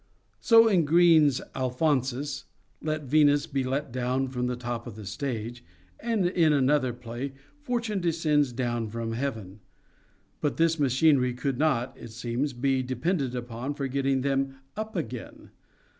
So, in Greene's " Alphonsus," "Let Venus be let down from the top of the stage "; and in another play, " Fortune descends down from Heaven." But this machinery could not, it seems, be depended upon for getting them up again.